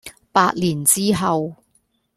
百年之後